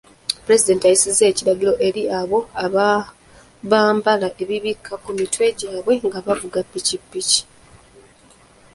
Pulezidenti ayisizza ekiragiro eri abo abambala ebibikka ku mitwe gyabwe nga bavuga ppikipiki.